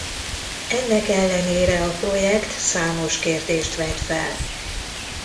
Ennek ellenére a projekt számos kérdést vet fel.